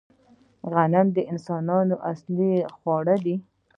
غنم د انسانانو اصلي خواړه دي